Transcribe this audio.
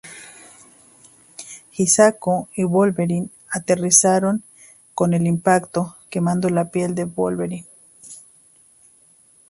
Hisako y Wolverine aterrizaron con el impacto, quemando la piel de Wolverine.